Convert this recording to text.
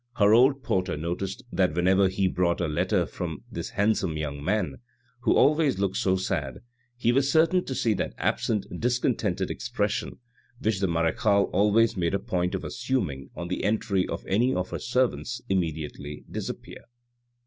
Her old porter noticed that whenever he brought a letter from this handsome young man, who always looked so sad, he was certain to see that absent, discontented expression, which the marechale 428 THE RED AND THE BLACK always made a point of assuming on the entry of any of her servants, immediately disappear.